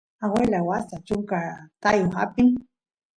aguelay waasta chunka taayoq apin